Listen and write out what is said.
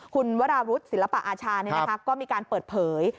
คุณวรารุทธ์ศิลปะอาชาเนี่ยนะคะก็มีการเปิดเผย